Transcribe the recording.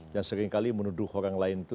dan seringkali menuduh orang lain itu